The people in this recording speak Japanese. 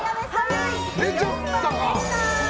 出ちゃったか。